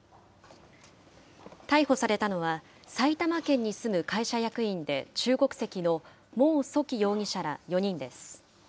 逮捕されたのは、埼玉県に住む会社役員で中国籍の毛祚煕容疑者ら４人です。